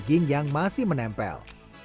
daging yang masih menempel